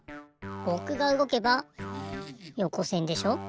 ぼくがうごけばよこせんでしょ。